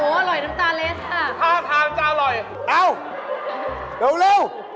โอ้โหอร่อยน้ำตาเลสอ่ะ